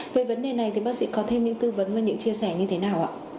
về vấn đề này thì bác sĩ có thêm những tư vấn và những chia sẻ như thế nào ạ